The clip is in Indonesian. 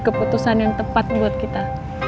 keputusan yang tepat buat kita